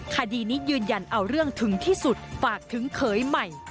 คดีนี้ยืนยันเอาเรื่องถึงที่สุดฝากถึงเขยใหม่